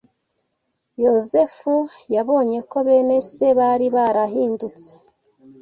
Yozefu yabonye ko bene se bari barahindutse.